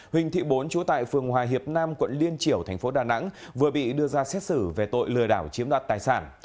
huỳnh thị bốn trú tại phường hòa hiệp nam quận liên triểu tp đà nẵng vừa bị đưa ra xét xử về tội lừa đảo chiếm đoạt tài sản